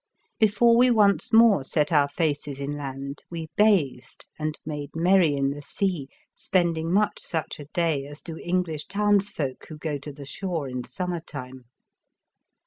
Before we once more set our faces inland, we bathed and made merry in the sea, spending much such a day as do English townsfolk who go to the shore in summer time.